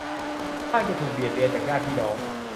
บ้างจะถูกเบียดเบียนจากญาติพี่น้อง